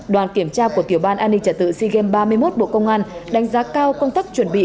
đoàn kiểm tra của tiểu ban an ninh trật tự sea games ba mươi một bộ công an đánh giá cao công tác chuẩn bị